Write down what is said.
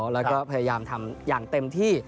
แล้วก็พยายามทำอย่างเต็มที่